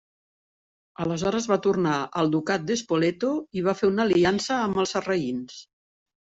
Aleshores va tornar al ducat de Spoleto i va fer una aliança amb els sarraïns.